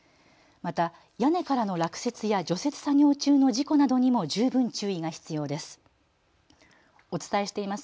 また屋根からの落雪や除雪作業中の事故などにも十分注意が必要です。